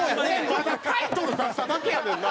まだタイトル出しただけやねんな。